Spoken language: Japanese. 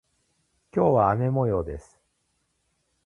今日は雨模様です。